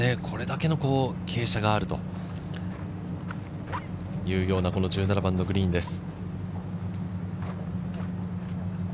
これだけの傾斜があるというような１７番のグリーンです。